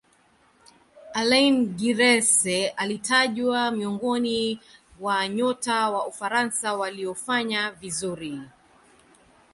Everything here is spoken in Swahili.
alaine giresse alitajwa miongoni wa nyota wa ufaransa waliofanya vizuri